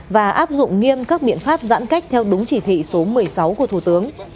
và áp dụng nghiêm các biện pháp giãn cách theo đúng chỉ thị số một mươi sáu của thủ tướng